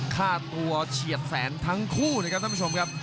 ค่าตัวเฉียดแสนทั้งคู่นะครับท่านผู้ชมครับ